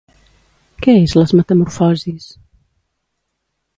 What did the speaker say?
Què és Les Metamorfosis?